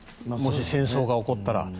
もし戦争が起こったら。